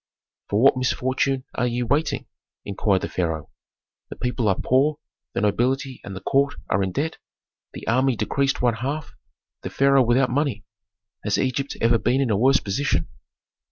"For what misfortune are ye waiting?" inquired the pharaoh. "The people are poor, the nobility and the court are in debt, the army decreased one half, the pharaoh without money. Has Egypt ever been in a worse position?"